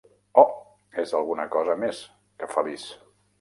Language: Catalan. Oh, és alguna cosa més que feliç.